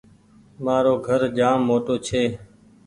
مآرو گھر جآم موٽو ڇي